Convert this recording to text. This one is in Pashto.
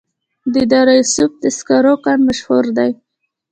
د دره صوف د سکرو کان مشهور دی